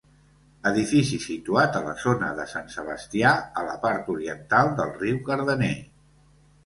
Edifici situat a la zona de Sant Sebastià, a la part oriental del riu Cardener.